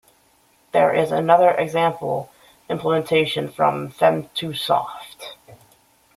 There is another example implementation from Femtosoft.